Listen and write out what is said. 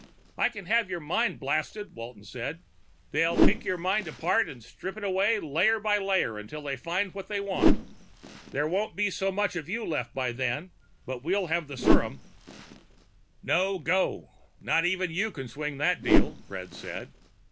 "I can have you mind blasted," Walton said. "They'll pick your mind apart and strip it away layer by layer until they find what they want. There won't be much of you left by then, but we'll have the serum." "No go. Not even you can swing that deal," Fred said.